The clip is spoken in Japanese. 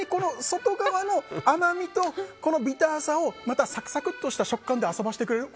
外側の甘みとこのビターさをまたサクサクッとした食感で遊ばしてくれる。